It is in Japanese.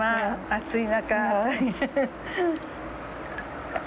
暑い中。